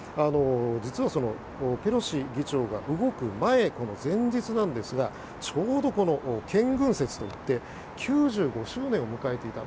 実は、ペロシ議長が動く前この前日なんですがちょうど建軍節といって９５周年を迎えていた。